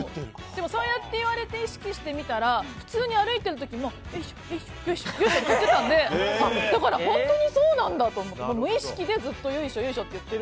でもそうやって言われて意識してみたら普通に歩いているときもよいしょって言ってたんでだから本当にそうなんだと思って無意識でずっとよいしょよいしょって言ってた。